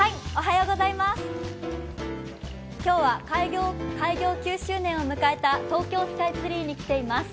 今日は開業９周年を迎えた東京スカイツリーに来ています。